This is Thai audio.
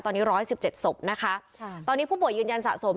ตอนนี้๑๑๗ศพนะคะตอนนี้ผู้ป่วยยืนยันสะสม